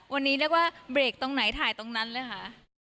วันนี้เรียกว่าเบรกตรงไหนถ่ายตรงนั้นเลยค่ะ